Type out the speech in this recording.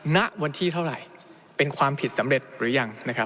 ณวันที่เท่าไหร่เป็นความผิดสำเร็จหรือยังนะครับ